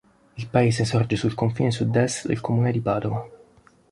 Il paese sorge sul confine sud-est del comune di Padova.